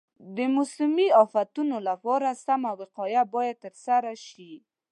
د موسمي افتونو لپاره سمه وقایه باید ترسره شي.